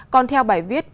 còn theo bài viết